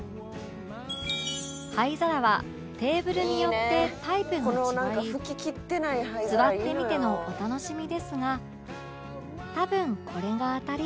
灰皿はテーブルによってタイプが違い座ってみてのお楽しみですが多分これが当たり